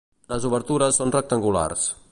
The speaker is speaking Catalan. Les obertures són rectangulars.